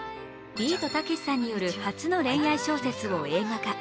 ビートたけしさんによる初の恋愛小説を映画化。